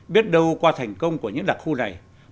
biết đâu qua thành công của những đặc khu này